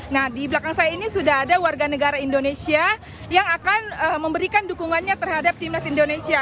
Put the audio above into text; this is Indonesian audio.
nah di belakang saya ini sudah ada warga negara indonesia yang akan memberikan dukungannya terhadap timnas indonesia